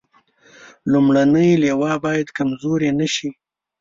لومړنۍ لواء باید کمزورې نه شي.